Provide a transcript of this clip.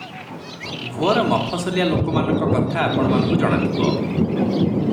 ଘୋର ମଫସଲିଆ ଲୋକମାନଙ୍କ କଥା ଆପଣଙ୍କୁ ଜଣାଥିବ ।